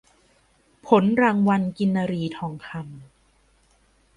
ผลรางวัลกินรีทองคำ